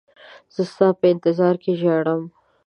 زه ستا په انتظار کې ژاړم.